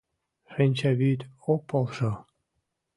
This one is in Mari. Шинчавӱд ок полшо...